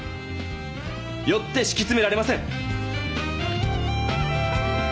よってしきつめられません。